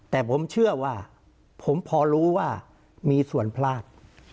แต่ผมเชื่อว่าผมพอรู้ว่ามีส่วนพลาด